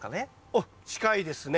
おっ近いですね。